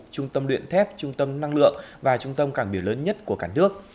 trung tâm luyện thép trung tâm năng lượng và trung tâm cảng biểu lớn nhất của cả nước